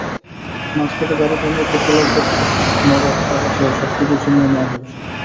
মাঝপথে গাড়ি থামিয়ে ফুটবলারদের ফোন, নগদ টাকাসহ সবকিছুই ছিনিয়ে নেওয়া হয়েছে।